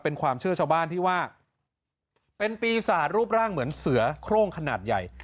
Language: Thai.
เป็นความเชื่อชาวบ้านที่ว่าเป็นปีศาจรูปร่างเหมือนเสือโครงขนาดใหญ่